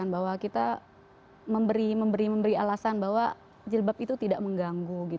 bahwa kita memberi alasan bahwa jilbab itu tidak mengganggu